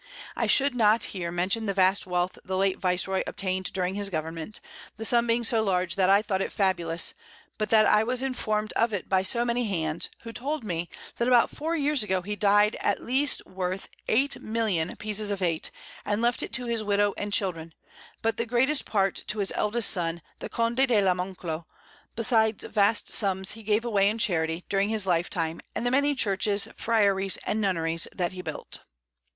I should not here mention the vast Wealth the late Vice roy obtain'd during his Government; the Sum being so large that I thought it fabulous, but that I was inform'd of it by so many Hands, who told me, that about 4 Years ago he died at least worth 8000000 Pieces of 8, and left it to his Widow and Children, but the greatest Part to his eldest Son, the Conde de la Monclo, besides vast Sums he gave away in Charity, during his Life time, and the many Churches, Fryaries, and Nunneries that he built.